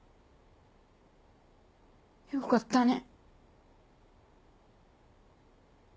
よかったね。